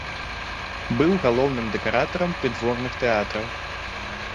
Быў галоўным дэкаратарам прыдворных тэатраў.